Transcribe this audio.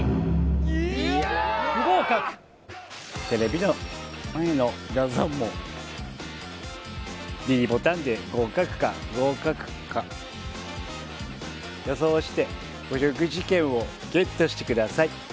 不合格テレビの前の皆さんもｄボタンで合格か不合格か予想してお食事券をＧＥＴしてください